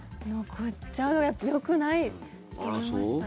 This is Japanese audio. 残っちゃうのはやっぱよくないと思いました。